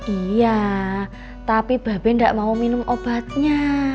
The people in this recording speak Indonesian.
iya tapi baben gak mau minum obatnya